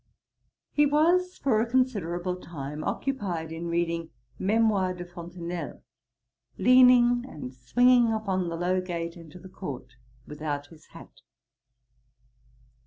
He was for a considerable time occupied in reading Mémoires de Fontenelle, leaning and swinging upon the low gate into the court, without his hat.